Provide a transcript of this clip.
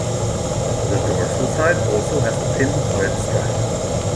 The dorsal side also has a thin red stripe.